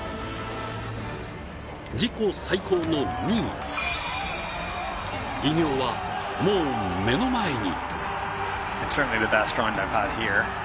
自己最高の２位偉業はもう目の前に。